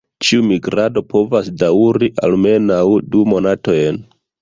Ĉiu migrado povas daŭri almenaŭ du monatojn.